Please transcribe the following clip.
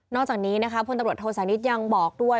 อกจากนี้นะคะพลตำรวจโทษานิทยังบอกด้วย